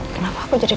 kenapa aku jadi